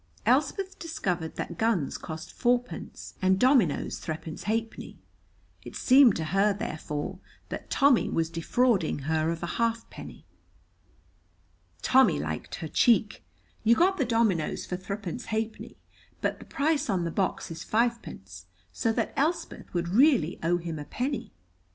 Elspeth discovered that guns cost fourpence, and dominoes threepence halfpenny; it seemed to her, therefore, that Tommy was defrauding her of a halfpenny. Tommy liked her cheek. You got the dominoes for threepence halfpenny, but the price on the box is fivepence, so that Elspeth would really owe him a penny.